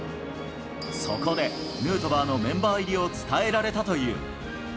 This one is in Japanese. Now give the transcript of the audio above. そこでヌートバーのメンバー入りを伝えられたという。